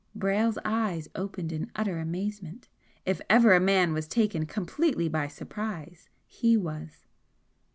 Brayle's eyes opened in utter amazement. If ever a man was taken completely by surprise, he was.